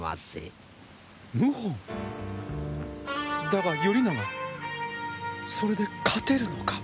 だが頼長それで勝てるのか？